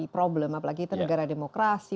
problem apalagi negara demokrasi